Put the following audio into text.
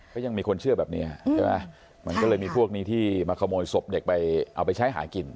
ก็ยังมีคนเชื่อแบบนี้ใช่ไหมมันก็เลยมีพวกนี้ที่มาขโมยศพเด็กไปเอาไปใช้หากิน